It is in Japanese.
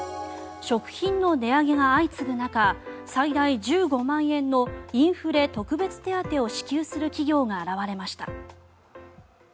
食品の値上げが相次ぐ中最大１５万円のインフレ特別手当を支給する企業が現れました。